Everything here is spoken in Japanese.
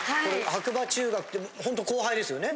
白馬中学ってほんと後輩ですよね？